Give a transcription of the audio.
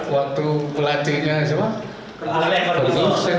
waktu pelatihnya saya bilang